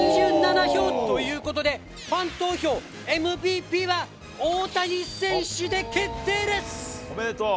２７票ということで、ファン投票ＭＶＰは、大谷選手で決定です。